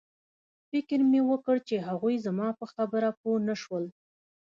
فکر مې وکړ چې هغوی زما په خبره پوه نشول